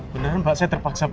beneran pak saya terpaksa